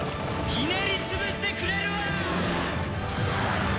ひねり潰してくれるわ！